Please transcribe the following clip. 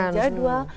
harus menyemakan jadwal